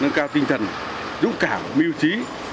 nâng cao tinh thần dũng cảm mưu trí